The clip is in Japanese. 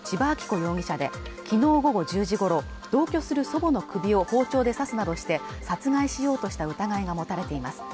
容疑者で昨日午後１０時ごろ同居する祖母の首を包丁で刺すなどして殺害しようとした疑いが持たれています